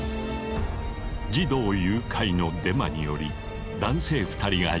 児童誘拐のデマにより男性２人が焼き殺された。